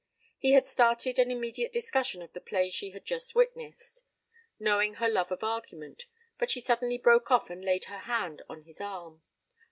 He had started an immediate discussion of the play she had just witnessed, knowing her love of argument, but she suddenly broke off and laid her hand on his arm.